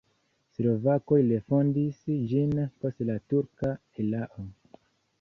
Slovakoj refondis ĝin post la turka erao.